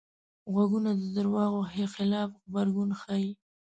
غوږونه د دروغو خلاف غبرګون ښيي